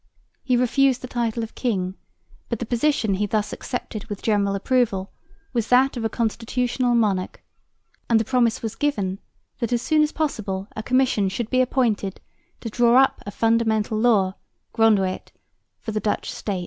He refused the title of king, but the position he thus accepted with general approval was that of a constitutional monarch, and the promise was given that as soon as possible a Commission should be appointed to draw up a Fundamental Law (Grondwet) for the Dutch State.